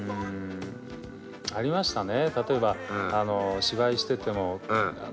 ありましたね。